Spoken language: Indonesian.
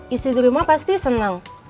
istri di rumah pasti senang